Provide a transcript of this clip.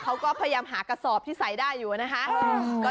เขาก็พยายามหากระสอบที่ใส่ได้อยู่นะคะ